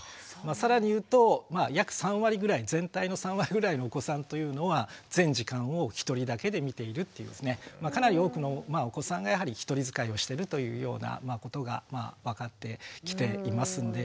更に言うと約３割ぐらい全体の３割ぐらいのお子さんというのは全時間を一人だけで見ているというかなり多くのお子さんがやはり一人使いをしてるというようなことが分かってきていますんで。